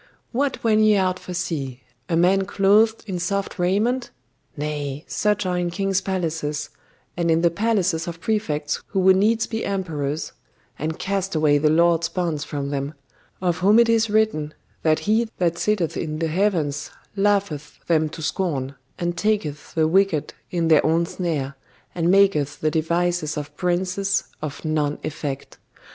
............... 'What went ye out for to see? A man clothed in soft raiment? Nay, such are in kings' palaces, and in the palaces of prefects who would needs be emperors, and cast away the Lord's bonds from them of whom it is written, that He that sitteth in the heavens laugheth them to scorn, and taketh the wicked in their own snare, and maketh the devices of princes of none effect.